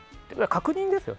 確認ですよ。